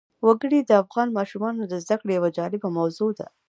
وګړي د افغان ماشومانو د زده کړې یوه جالبه موضوع ده.